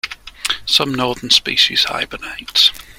Some northern species hibernate.